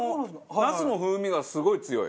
なすの風味がすごい強い。